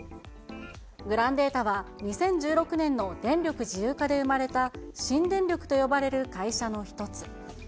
グランデータは、２０１６年の電力自由化で生まれた新電力と呼ばれる会社の一つ。